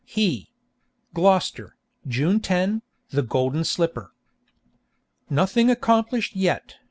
He Gloucester, June 10, The Golden Slipper. Nothing accomplished yet.